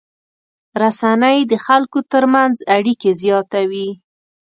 رسنۍ د خلکو تر منځ اړیکې زیاتوي.